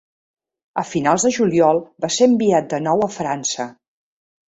A finals de juliol va ser enviat de nou a França.